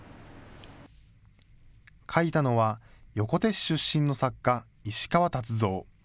書いたのは、横手市出身の作家、石川達三。